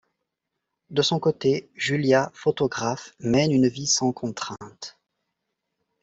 De son côté Julia, photographe, mène une vie sans contrainte.